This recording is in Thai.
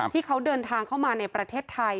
ที่เขาเดินทางเข้ามาในประเทศไทย